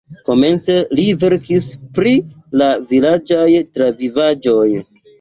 Komence li verkis pri la vilaĝaj travivaĵoj.